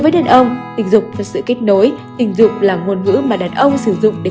với nam giới